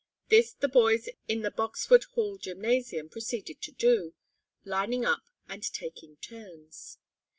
This the boys in the Boxwood Hall gymnasium proceeded to do, lining up and taking turns.